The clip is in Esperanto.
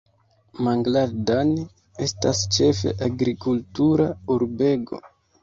Mangaldan estas ĉefe agrikultura urbego.